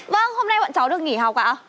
vâng hôm nay bọn cháu được nghỉ học ạ